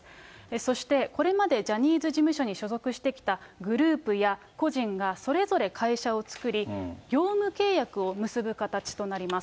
そして、これまでジャニーズ事務所に所属してきたグループや個人がそれぞれ会社を作り、業務契約を結ぶ形となります。